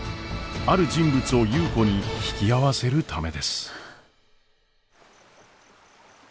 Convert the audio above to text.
ある人物を優子に引き合わせるためです。